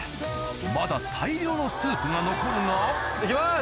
まだ大量のスープが残るが行きます！